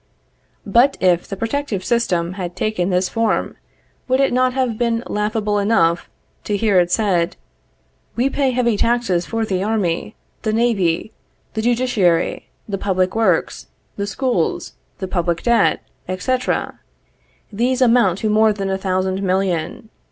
But if the protective system had taken this form, would it not have been laughable enough to hear it said, "We pay heavy taxes for the army, the navy, the judiciary, the public works, the schools, the public debt, etc. These amount to more than a thousand million.